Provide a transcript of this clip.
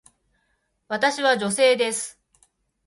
私は女性です。